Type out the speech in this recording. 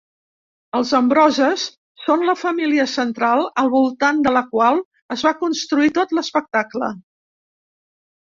Els Ambroses són la família central al voltant de la qual es va construir tot l'espectacle.